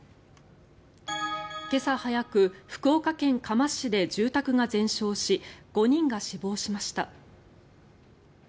今朝早く福岡県嘉麻市で住宅が全焼し５人が死亡しました。